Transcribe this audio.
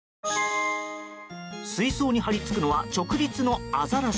水槽に張り付くのは直立のアザラシ。